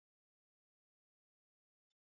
lakini siku tatu kura zinahesabiwa